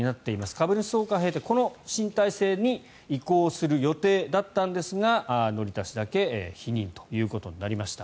株主総会を経て、この新体制に移行する予定だったんですが乗田氏だけ否認ということになりました。